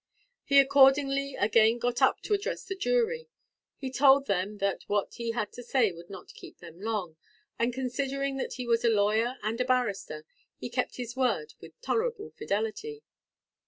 He accordingly again got up to address the jury. He told them that what he had to say would not keep them long, and considering that he was a lawyer and a barrister, he kept his word with tolerable fidelity.